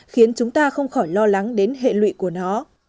khiến chúng ta không khỏi lo lắng đến hệ lụy của nó